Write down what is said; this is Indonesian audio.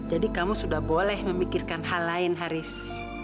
jadi kamu sudah boleh memikirkan hal lain haris